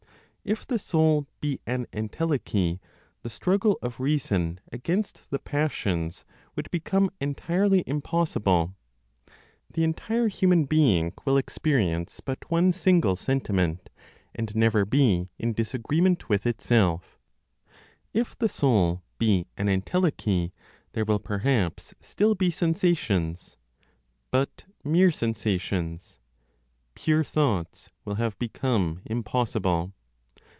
If the soul be an entelechy, the struggle of reason against the passions would become entirely impossible. The entire human being will experience but one single sentiment, and never be in disagreement with itself. If the soul be an entelechy, there will perhaps still be sensations, but mere sensations; pure thoughts will have become impossible.